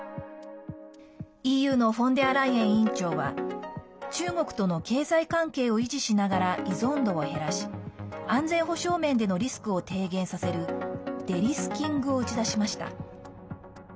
ＥＵのフォンデアライエン委員長は中国との経済関係を維持しながら依存度を減らし安全保障面でのリスクを低減させるデリスキングを打ち出しました。